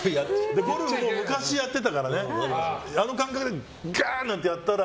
ゴルフも昔やってたからあの感覚でガンなんてやったら。